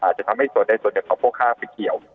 จะทำให้จะส่วนที่ผ้าพวกข้างเป็นไง